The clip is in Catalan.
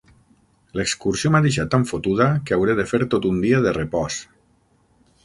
L'excursió m'ha deixat tan fotuda que hauré de fer tot un dia de repòs.